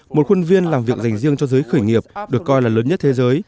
một khuôn viên làm việc dành riêng cho giới khởi nghiệp được coi là lớn nhất thế giới